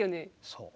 そう。